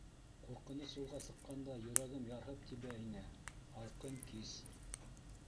Ҡурҡыныс юлға сыҡҡанда йөрәгем ярһып тибә ине. һалҡын кис.